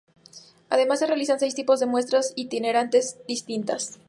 Además, se realizan seis tipos de muestras itinerantes distintas.